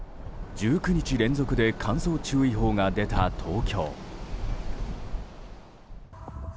１９日連続で乾燥注意報が出た東京。